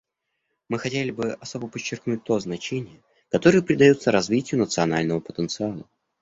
Мы хотели бы особо подчеркнуть то значение, которое придается развитию национального потенциала.